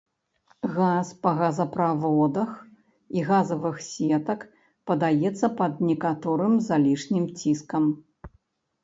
Газ па газаправодах і газавых сетак падаецца пад некаторым залішнім ціскам.